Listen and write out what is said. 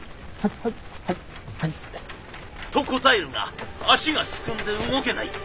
と答えるが足がすくんで動けない。